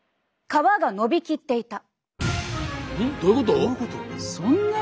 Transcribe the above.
皮がのびきっていた？